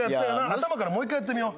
頭からもう一回やってみよう。